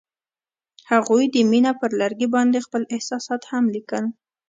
هغوی د مینه پر لرګي باندې خپل احساسات هم لیکل.